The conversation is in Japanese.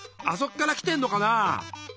あそこから来てんのかな？